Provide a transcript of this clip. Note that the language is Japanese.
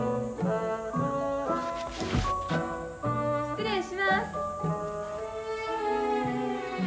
・失礼します。